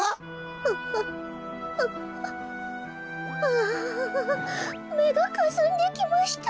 あめがかすんできました。